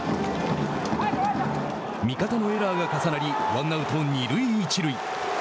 味方のエラーが重なりワンアウト、二塁一塁。